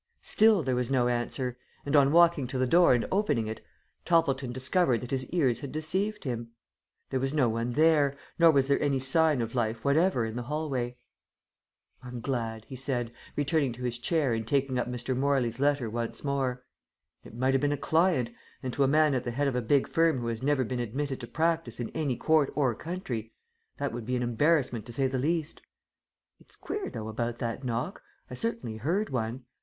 Still there was no answer, and on walking to the door and opening it, Toppleton discovered that his ears had deceived him. There was no one there, nor was there any sign of life whatever in the hallway. "I'm glad," he said, returning to his chair and taking up Mr. Morley's letter once more. "It might have been a client, and to a man at the head of a big firm who has never been admitted to practice in any court or country, that would be an embarrassment to say the least. It's queer though, about that knock. I certainly heard one.